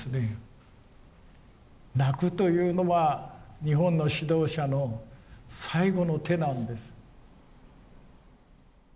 泣くというのは日本の指導者の最後の手なんです。